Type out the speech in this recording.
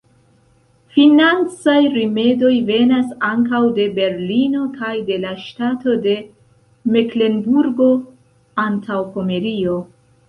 Financaj rimedoj venas ankaŭ de Berlino kaj de la ŝtato de Meklenburgo-Antaŭpomerio.